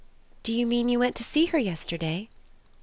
"Do you mean you went to see her yesterday?"